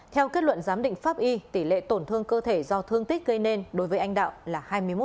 theo kết luận giám định pháp y tỷ lệ tổn thương cơ thể do thương tích gây nên đối với anh đạo là hai mươi một